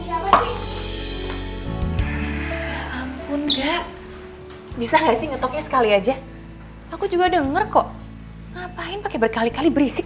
ampun gak bisa ngasih ngetoknya sekali aja aku juga denger kok ngapain pakai berkali kali berisik